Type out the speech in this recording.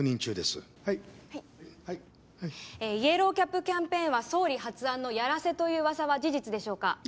イエローキャップキャンペーンは総理発案のヤラセという噂は事実でしょうか？